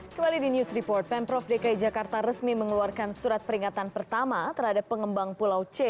kembali di news report pemprov dki jakarta resmi mengeluarkan surat peringatan pertama terhadap pengembang pulau c